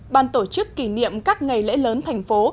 ban tổ chức kỷ niệm các ngày lễ lớn thành phố